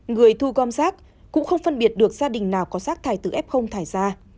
người thu gom sắc cũng không phân biệt được gia đình nào có sắc thải từ f thải ra